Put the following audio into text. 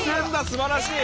すばらしい！